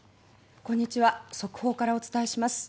こんにちは速報からお伝えします。